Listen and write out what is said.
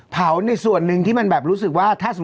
เผาส่วนหนึ่งที่แบบรู้สึกว่า